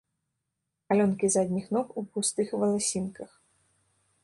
Галёнкі задніх ног у густых валасінках.